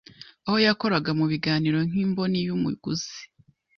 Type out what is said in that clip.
aho yakoraga mu biganiro nk’imboni y’umuguzi,